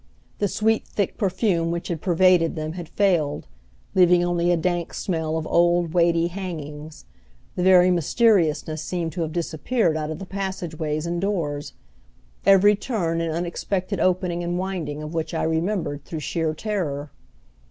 The sweet, thick perfume which had pervaded them had failed, leaving only a dank smell of old weighty hangings; the very mysteriousness seemed to have disappeared out of the passageways and doors, every turn and unexpected opening and winding of which I remembered through sheer terror.